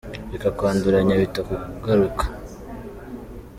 Reka kwanduranya bitakugaruka.